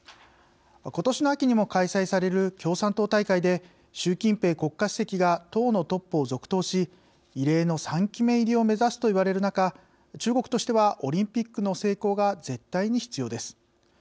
ことしの秋にも開催される共産党大会で、習近平国家主席が党のトップを続投し異例の３期目入りを目指すと言われる中中国としてはオリンピックの成功が絶対に必要です。